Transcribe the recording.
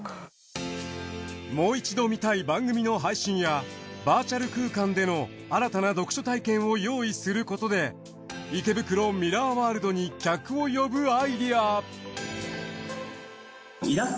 もう一度見たい番組の配信やバーチャル空間での新たな読書体験を用意することで池袋ミラーワールドに客を呼ぶアイデア。